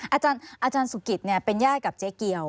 อาจารย์สุกิตเป็นญาติกับเจ๊เกียว